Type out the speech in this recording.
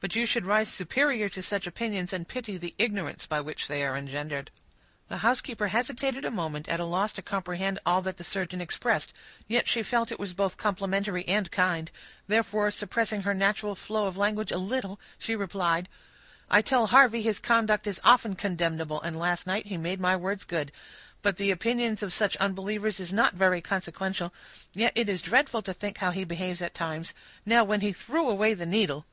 "But you should rise superior to such opinions, and pity the ignorance by which they are engendered." The housekeeper hesitated a moment, at a loss to comprehend all that the surgeon expressed, yet she felt it was both complimentary and kind; therefore, suppressing her natural flow of language a little, she replied,— "I tell Harvey his conduct is often condemnable, and last night he made my words good; but the opinions of such unbelievers is not very consequential; yet it is dreadful to think how he behaves at times: now, when he threw away the needle—" "What!"